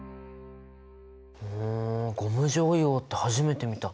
ふんゴム状硫黄って初めて見た。